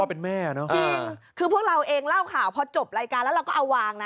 เป็นแม่เนอะจริงคือพวกเราเองเล่าข่าวพอจบรายการแล้วเราก็เอาวางนะ